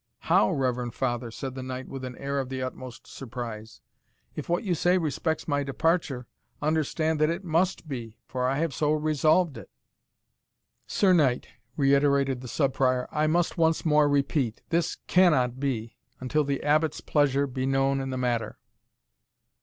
"How, reverend father!" said the knight, with an air of the utmost surprise; "if what you say respects my departure, understand that it must be, for I have so resolved it." "Sir Knight," reiterated the Sub Prior, "I must once more repeat, this cannot be, until the Abbot's pleasure be known in the matter."